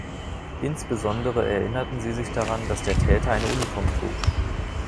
Insbesondere erinnerten sie sich daran, dass der Täter eine Uniform trug.